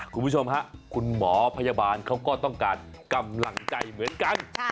คุณผู้ชมฮะคุณหมอพยาบาลเขาก็ต้องการกำลังใจเหมือนกัน